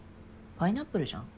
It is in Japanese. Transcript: パイナップルじゃん？